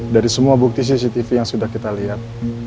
dari semua bukti cctv yang sudah kita lihat